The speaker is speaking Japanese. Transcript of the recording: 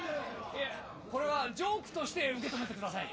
いやこれはジョークとして受け止めてください。